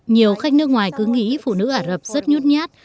nhiều khách nước ngoài cứ nghĩ phụ nữ ả rập rất nhút nhát